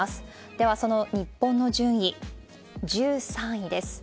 では、その日本の順位、１３位です。